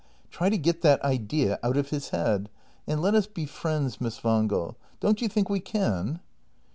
Try to get that idea out of his head. And let us be friends, Miss Wangel. Don't you think we can